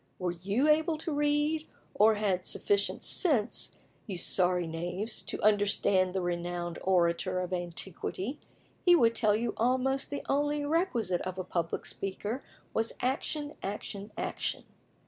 Were you able to read, or had got sufficient sense, you sorry knaves, to understand the renowned orator of antiquity, he would tell you almost the only requisite of a public speaker was ACTION, ACTION, ACTION.